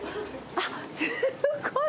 あっ、すごい。